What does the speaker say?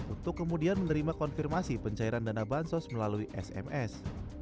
untuk kemudian menerima konfirmasi pencairan dana bansos melalui sms